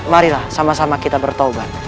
marilah sama sama kita bertaubat